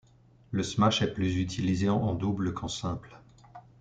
Le smash est plus utilisé en double qu'en simple.